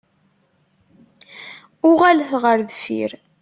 Uɣalet ɣer deffir!